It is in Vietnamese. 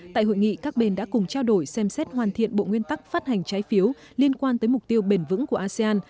tại hội nghị các bên đã cùng trao đổi xem xét hoàn thiện bộ nguyên tắc phát hành trái phiếu liên quan tới mục tiêu bền vững của asean